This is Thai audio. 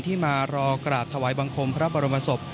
มารอกราบถวายบังคมพระบรมศพ